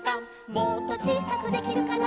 「もっとちいさくできるかな」